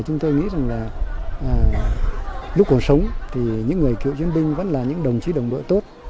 chúng tôi nghĩ rằng là lúc cuộc sống thì những người cựu chiến binh vẫn là những đồng chí đồng đội tốt